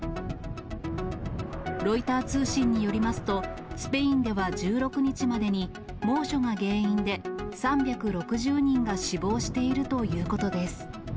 ロイター通信によりますと、スペインでは１６日までに、猛暑が原因で３６０人が死亡しているということです。